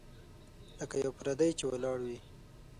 لکه یو پردی چي ولاړ وي .